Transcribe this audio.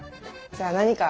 じゃあ何か。